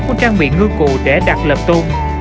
muốn trang bị ngư cụ để đặt lợp tôn